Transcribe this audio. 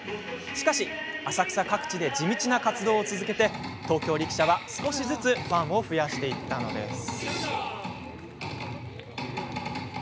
しかし、浅草各地で地道な活動を続け東京力車は少しずつファンを増やしていったのです。